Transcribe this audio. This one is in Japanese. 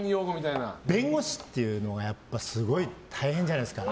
弁護士っていうのがすごい大変じゃないですか。